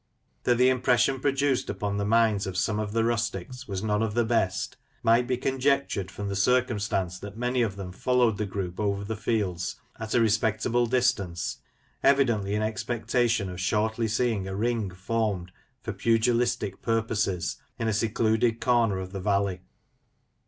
That the impression produced upon the minds of some of the rustics was none of the best, might be conjectured from the circumstance that many of them followed the group over the fields at a respectable distance, evidently in expectation of shortly seeing a ring formed for pugilistic purposes in a secluded corner of the valley.